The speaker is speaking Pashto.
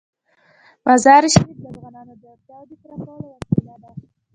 مزارشریف د افغانانو د اړتیاوو د پوره کولو وسیله ده.